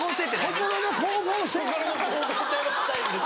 心の光合成はしたいんです。